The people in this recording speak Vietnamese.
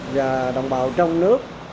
và đồng bào trong nước